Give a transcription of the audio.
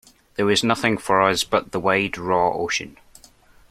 There was nothing for us but the wide raw ocean.